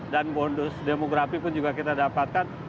dan bonus demografi pun juga kita dapatkan